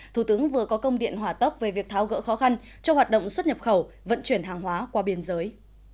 thủ tướng vừa có công điện hỏa tốc về việc tháo gỡ khó khăn cho hoạt động xuất nhập khẩu vận chuyển hàng hóa qua biên giới